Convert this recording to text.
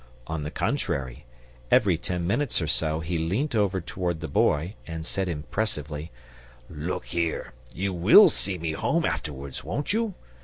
On the contrary, every ten minutes or so he leant over towards the Boy and said impressively: "Look here! you WILL see me home afterwards, won't you?"